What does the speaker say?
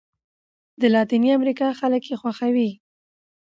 د لاتیني امریکا خلک یې خوښوي.